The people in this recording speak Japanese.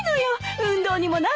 運動にもなるし。